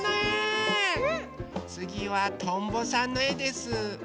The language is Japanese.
つぎはとんぼさんのえです。